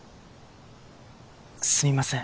すみません